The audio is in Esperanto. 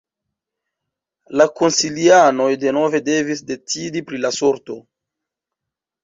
La konsilianoj denove devis decidi pri la sorto.